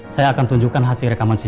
saya akan tunjukkan hasil rekaman cctv ini